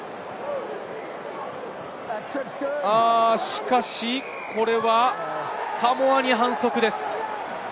しかしサモアに反則です。